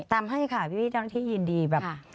ตามให้ค่ะพี่เจ้าหน้าที่ยินดีแบบ